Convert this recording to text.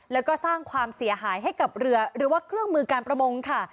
แล้วก็สร้างความเสียหายให้กับเรือหรือว่าเครื่องมือการประมงค่ะ